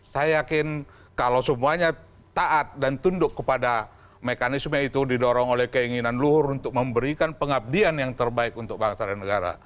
saya yakin kalau semuanya taat dan tunduk kepada mekanisme itu didorong oleh keinginan luhur untuk memberikan pengabdian yang terbaik untuk bangsa dan negara